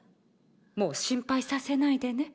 もう心配させないでね。